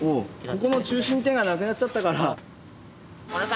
ここの中心点がなくなっちゃったから。